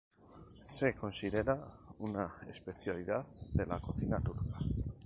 Se considera una especialidad de la cocina turca.